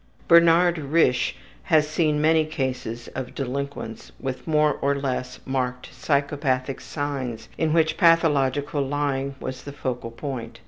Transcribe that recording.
Bernard Risch has seen many cases of delinquents with more or less marked psychopathic signs in which pathological lying was the focal point.